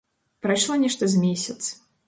Прайшло нешта з месяц.